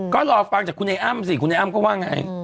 ก็รอฟังจากคุณไอ้อ้ำสิคุณไอ้อ้ำก็ว่าไง